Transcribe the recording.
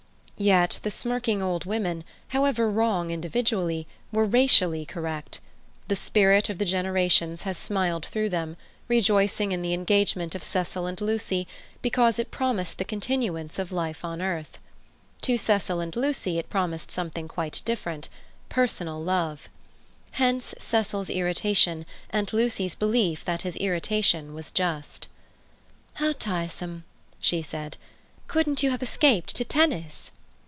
Yet the smirking old women, however wrong individually, were racially correct. The spirit of the generations had smiled through them, rejoicing in the engagement of Cecil and Lucy because it promised the continuance of life on earth. To Cecil and Lucy it promised something quite different—personal love. Hence Cecil's irritation and Lucy's belief that his irritation was just. "How tiresome!" she said. "Couldn't you have escaped to tennis?"